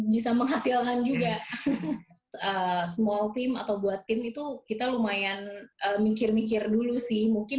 bisa menghasilkan juga small team atau buat tim itu kita lumayan mikir mikir dulu sih mungkin